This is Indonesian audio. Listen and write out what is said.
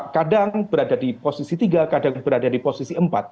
kadang berada di posisi tiga kadang berada di posisi empat